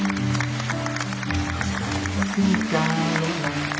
ทำไมเค้าใส่ชิ้นกล้าวและหลัง